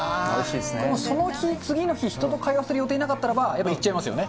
その日、次の日、人と会話する予定なかったらば、やっぱいっちゃいますよね。